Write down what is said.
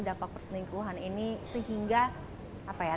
dapat perselingkuhan ini sehingga